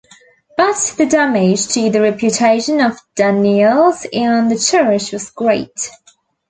But the damage to the reputation of Danneels and the Church was great.